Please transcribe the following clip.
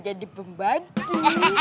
jangan deket deketnya nanti